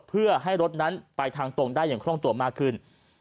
เพื่อให้รถนั้นไปทางตรงได้อย่างคล่องตัวมากขึ้น